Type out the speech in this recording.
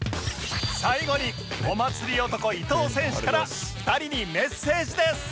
最後にお祭り男伊藤選手から２人にメッセージです